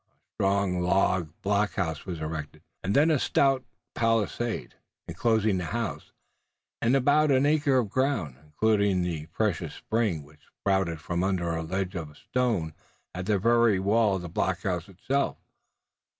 A strong log blockhouse was erected, and then a stout palisade, enclosing the house and about an acre of ground, including the precious spring which spouted from under a ledge of stone at the very wall of the blockhouse itself.